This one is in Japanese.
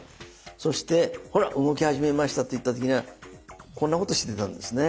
そして「ほら動き始めました！」って言った時にはこんなことしてたんですね。